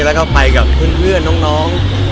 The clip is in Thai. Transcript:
แล้วก็ไปกับเพื่อนเพื่อนน้องน้อง